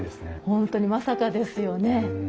本当にまさかですよね。